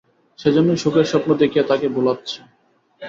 সে-জন্যেই সুখের স্বপ্ন দেখিয়ে তাঁকে ভোলাচ্ছে।